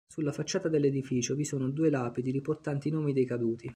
Sulla facciata dell'edificio vi sono due lapidi riportanti i nomi dei caduti.